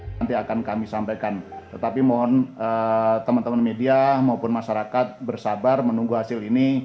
nanti akan kami sampaikan tetapi mohon teman teman media maupun masyarakat bersabar menunggu hasil ini